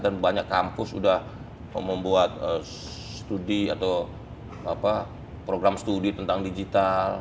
dan banyak kampus udah membuat studi atau program studi tentang digital